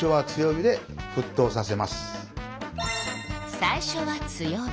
最初は強火。